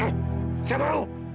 eh siapa lu